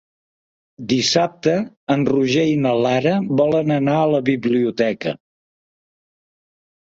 Dissabte en Roger i na Lara volen anar a la biblioteca.